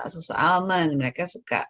susu almond mereka suka